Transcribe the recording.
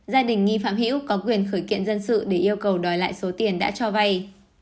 gia đình nghi phạm hữu có quyền khởi kiện dân sự để yêu cầu đòi lại số tiền đã cho vay